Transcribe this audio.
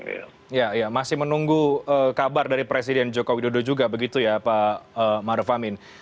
ya masih menunggu kabar dari presiden jokowi dodo juga begitu ya pak maruf amin